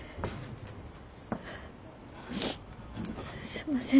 すんません